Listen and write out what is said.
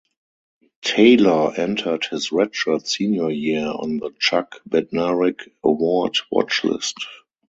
Taylor entered his redshirt senior year on the Chuck Bednarik Award watchlist.